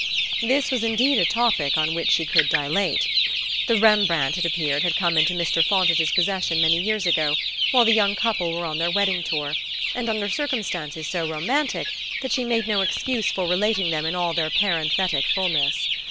This was indeed a topic on which she could dilate. The Rembrandt, it appeared, had come into Mr. Fontage's possession many years ago, while the young couple were on their wedding tour, and under circumstances so romantic that she made no excuse for relating them in all their parenthetic fulness.